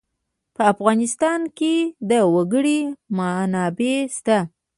په افغانستان کې د وګړي منابع شته.